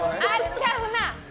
ちゃうな。